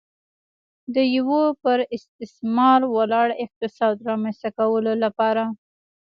د یوه پر استثمار ولاړ اقتصاد رامنځته کولو لپاره.